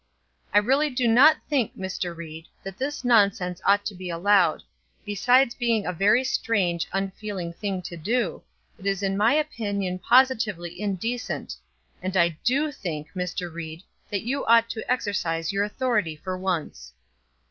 "I really do not think, Mr. Ried, that this nonsense ought to be allowed; besides being a very strange, unfeeling thing to do, it is in my opinion positively indecent and I do think, Mr. Ried, that you ought to exercise your authority for once."